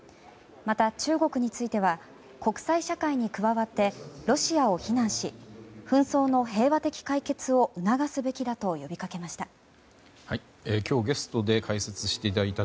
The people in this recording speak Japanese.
また、中国については国際社会に加わってロシアを非難し紛争の平和的解決を促すべきだと呼びかけました。